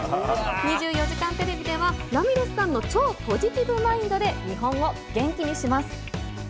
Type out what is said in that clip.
２４時間テレビでは、ラミレスさんの超ポジティブマインドで、日本を元気にします。